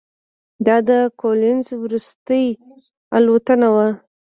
دا د کولینز وروستۍ الوتنه وه.